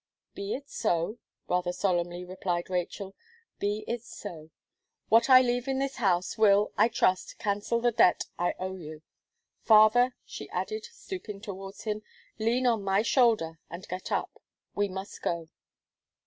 "Be it so," rather solemnly replied Rachel, "be it so. What I leave in this house will, I trust, cancel the debt I owe you. Father," she added, stooping towards him, "lean on my shoulder, and get up. We must go."